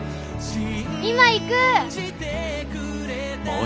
今行く！